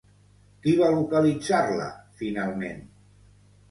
Qui va localitzar-la finalment?